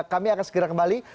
kami akan segera kembali